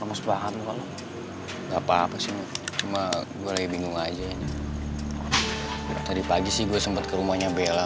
enggak apa apa sih cuma gue lebih bingung aja tadi pagi sih gue sempet ke rumahnya bella